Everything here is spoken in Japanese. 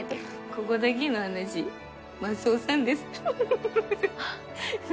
ここだけの話マスオさんですあっ